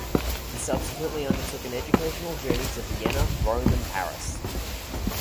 He subsequently undertook an educational journey to Vienna, Rome, and Paris.